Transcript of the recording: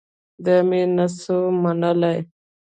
دا مې نه سو منلاى.